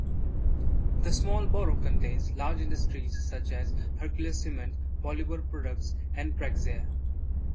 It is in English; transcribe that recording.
The small borough contains large industries such as Hercules Cement, Polymer Products, and Praxair.